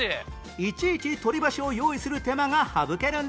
いちいち取り箸を用意する手間が省けるんです